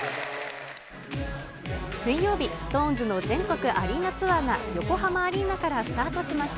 水曜日、ＳｉｘＴＯＮＥＳの全国アリーナツアーが、横浜アリーナからスタートしました。